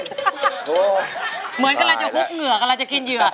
เหมือนกำลังจะฮุบเหงื่อกำลังจะกินเหยื่อ